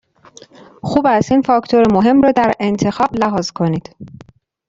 خوب است این فاکتور مهم را در انتخاب لحاظ کنید.